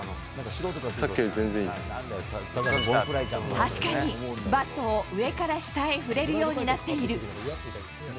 確かに、バットを上から下へ振れるようになっている。